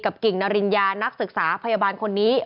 กิ่งนริญญานักศึกษาพยาบาลคนนี้